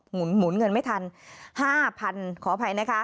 หมุนเงินไม่ทันห้าพันขออภัยนะคะ